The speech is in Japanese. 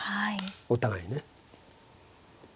お互いにね。